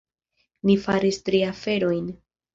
Ni faris tri aferojn.